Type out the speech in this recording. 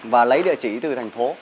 và lấy địa chỉ từ thành phố